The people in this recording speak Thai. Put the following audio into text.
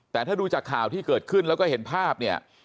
แต่ถ้าดูจากข่าวที่เกิดขึ้นแล้วก็เห็นภาพเนี่ย